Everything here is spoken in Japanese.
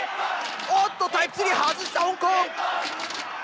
おっとタイプ３外した香港！